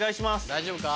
大丈夫か？